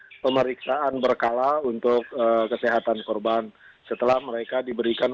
kondisinya perkembangan ini tidak berkala untuk kesehatan korban setelah mereka diberikan